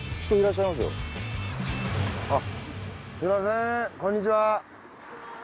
すみませんこんにちは！